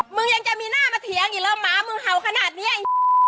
มึงยังจะมีหน้ามาเถียงอีกแล้วหมามึงเห่าขนาดนี้